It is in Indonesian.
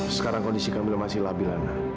sekarang kondisi kamila masih labi lana